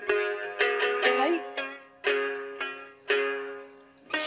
はい。